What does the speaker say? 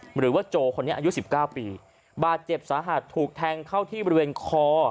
หรือว่าโจคนนี้อายุสิบเก้าปีบาดเจ็บสาหัสถูกแทงเข้าที่บริเวณคอ